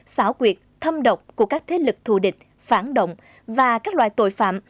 xảo quyệt thâm độc của các thế lực thù địch phản động và các loại tội phạm